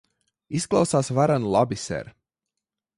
Izklausās varen labi, ser.